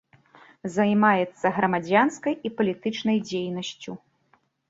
Займаецца грамадскай і палітычнай дзейнасцю.